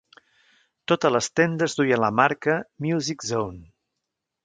Totes les tendes duien la marca "Music Zone".